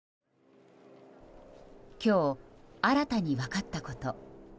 今日、新たに分かったこと。